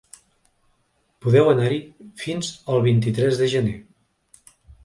Podeu anar-hi fins el vint-i-tres de gener.